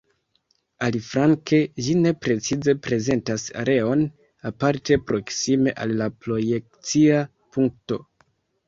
Aliflanke, ĝi ne precize prezentas areon, aparte proksime al la projekcia punkto.